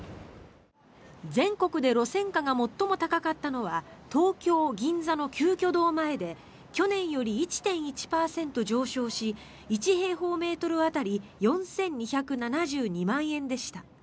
全国で路線価が最も高かったのは東京・銀座の鳩居堂前で去年より１．１％上昇し１平方メートル当たり４２７２万円でした。